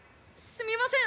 すみません！」。